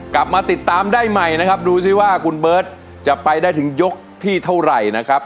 กลับมาติดตามได้ใหม่นะครับดูสิว่าคุณเบิร์ตจะไปได้ถึงยกที่เท่าไหร่นะครับ